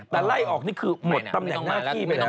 แต่ไล่ออกนี่คือหมดตำแหน่งหน้าที่ไปแล้ว